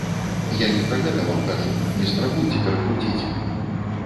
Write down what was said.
Я не пра гэта вам кажу, не спрабуйце перакруціць!